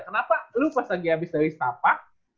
kenapa lu pas lagi abis dari stapa